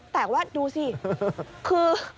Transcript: แต่ว่าดูสิคือ